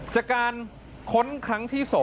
จากการค้นครั้งที่๒